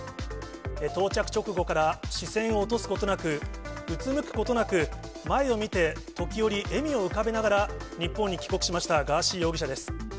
到着直後から、視線を落とすことなく、うつむくことなく、前を見て、時折笑みを浮かべながら、日本に帰国しましたガーシー容疑者です。